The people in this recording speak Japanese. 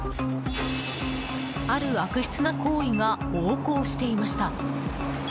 ある悪質な行為が横行していました。